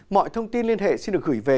mọi thông tin liên hệ xin được gửi về